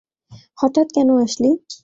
হঠাৎ কেন আসলি?